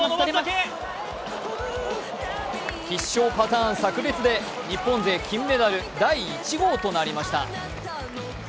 必勝パターンさく裂で日本勢金メダル第１号となりました。